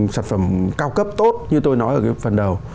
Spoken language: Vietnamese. sản phẩm cao cấp tốt như tôi nói ở cái phần đầu